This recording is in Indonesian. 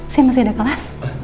saya masih ada kelas